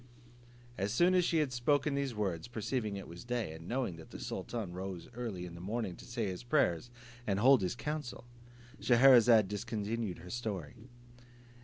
As soon as she had spoken these words, perceiving it was day, and knowing that the sultan rose early in the morning to say his prayers, and hold his council, Scheherazade discontinued her story.